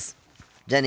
じゃあね。